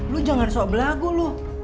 lo jangan sok belagu lo